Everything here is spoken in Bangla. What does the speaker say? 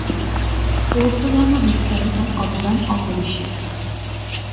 বৌদ্ধধর্ম বিস্তারে তাঁর অবদান অপরিসীম।